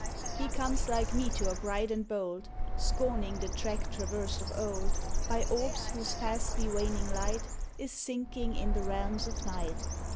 He comes like meteor bright and bold, Scorning the track traversed of old By orbs whose fastly waning light Is sinking in the realms of night.